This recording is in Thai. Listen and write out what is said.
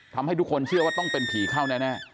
ทำให้ทุกคนเชื่อว่าต้องเป็นผีเข้าแน่